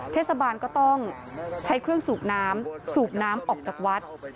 เทศบาลก็ต้องใช้เครื่องสูบน้ำสูบน้ำออกจากวัด